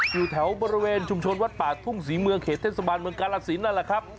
อยู่แถวบริเวณชุมชนวัดป่าทุ่งศรีเมืองเขตเทศบาลเมืองกาลสินนั่นแหละครับ